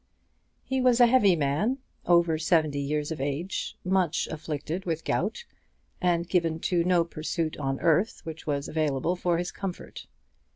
He was a heavy man, over seventy years of age, much afflicted with gout, and given to no pursuit on earth which was available for his comfort.